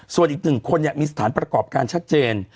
ส่วนอีกหนึ่งคนเนี่ยมีสถานประกอบการชัดเจน